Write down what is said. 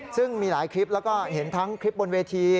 ซึ่งมีหลายคลิปแล้วก็เห็นทั้งคลิปบนเวที